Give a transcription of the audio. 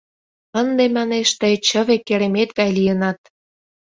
Ынде, манеш, тый чыве керемет гай лийынат!